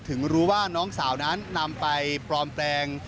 ถึงรู้ว่าน้องสาวนั้นนำไปปลอมแปลง